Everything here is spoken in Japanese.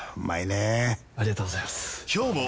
ありがとうございます！